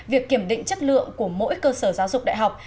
việc kiểm định chất lượng của mỗi cơ sở giáo dục đại học